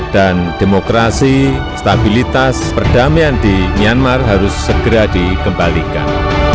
dan demokrasi stabilitas perdamaian di myanmar harus segera dikembalikan